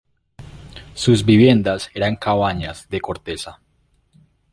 Sus viviendas eran cabañas de corteza.